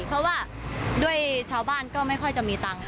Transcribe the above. เพราะว่าด้วยชาวบ้านก็ไม่ค่อยจะมีตังค์